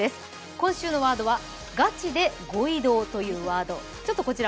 今週のワードは、「ガチでご移動」というワード。